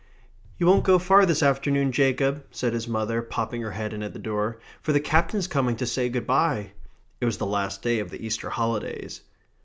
"You won't go far this afternoon, Jacob," said his mother, popping her head in at the door, "for the Captain's coming to say good bye." It was the last day of the Easter holidays.